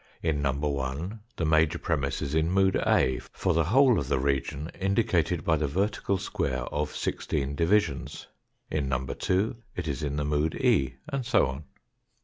In No. 1 the major premiss is in mood A for the whole of the region indicated by the vertical square of sixteen divisions ; in No. 2 it is in the mood E, and so on.